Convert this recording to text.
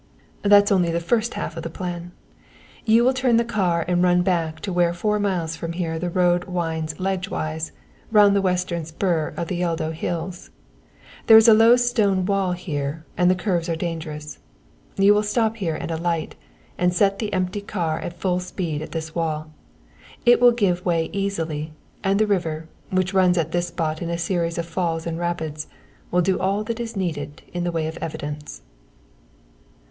"That's only the first half of the plan. You will turn the car and run back to where four miles from here the road winds ledgewise, round the western spur of the Yeldo hills. There is a low stone wall here, and the curves are dangerous. You will stop here and alight, and set the empty car at full speed at this wall. It will give way easily, and the river, which runs at this spot in a series of falls and rapids, will do all that is needed in the way of evidence."